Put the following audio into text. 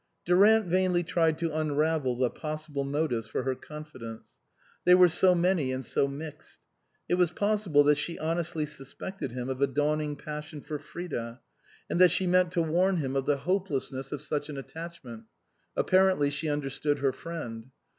Durant vainly tried to unravel the possible motives for her confidence. They were so many and so mixed. It was possible that she honestly suspected him of a dawning passion for Frida, and that she meant to warn him of the hopeless 89 THE COSMOPOLITAN ness of such an attachment ; apparently she un derstood her friend.